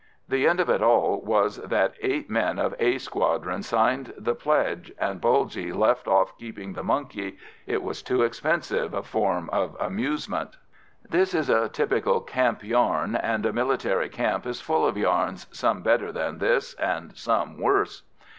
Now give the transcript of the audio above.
The end of it all was that eight men of "A" Squadron signed the pledge, and Bulgy left off keeping the monkey; it was too expensive a form of amusement. This is a typical camp yarn, and a military camp is full of yarns, some better than this, and some worse.